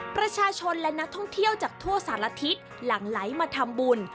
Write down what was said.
ประชาชนและนักท่องเที่ยวจากทั่วสารทิศหลังไหลมาทำบุญ